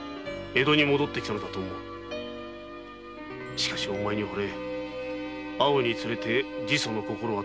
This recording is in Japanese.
しかしお前に惚れ会うにつれて自訴の心が遠のいた。